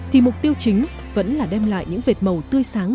thì mục tiêu chính vẫn là đem lại những vệt màu tươi sáng